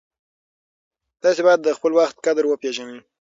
تاسې باید د خپل وخت قدر وپېژنئ.